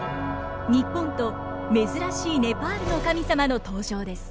日本と珍しいネパールの神様の登場です。